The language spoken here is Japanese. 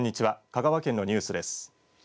香川県のニュースです。